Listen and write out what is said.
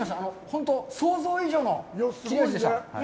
本当に想像以上の切れ味でした。